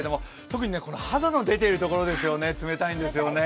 特に肌の出ているところ、冷たいんですよね。